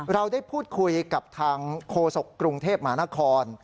เราได้พูดคุยกับทางโฆษกกรุงเทพมหานคร